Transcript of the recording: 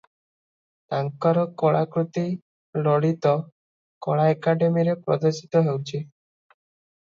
ତାଙ୍କର କଳାକୃତି ଲଳିତ କଳା ଏକାଡେମୀରେ ପ୍ରଦର୍ଶିତ ହେଉଛି ।